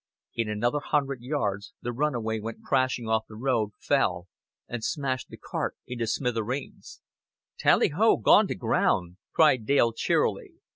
In another hundred yards the runaway went crashing off the road, fell, and smashed the cart into smithereens. "Tally ho! Gone to ground," cried Dale cheerily.